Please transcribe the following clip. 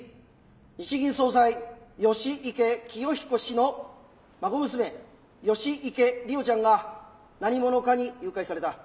日銀総裁吉池清彦氏の孫娘吉池梨央ちゃんが何者かに誘拐された。